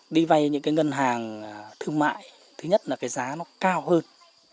đi vay những cái ngân hàng thương mại thứ nhất là cái giá nó cao hơn